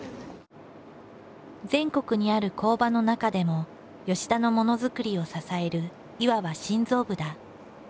全国にある工場の中でも田のモノづくりを支えるいわば心臓部だ。